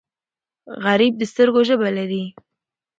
غریب د سترګو ژبه لري